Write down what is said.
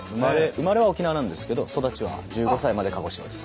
生まれは沖縄なんですけど育ちは１５歳まで鹿児島です。